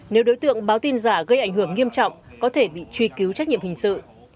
nếu đối tượng báo tin giả gây ảnh hưởng nghiêm trọng có thể bị truy cứu trách nhiệm hình sự